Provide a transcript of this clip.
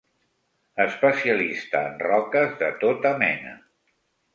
Especialista en roques de tota mena.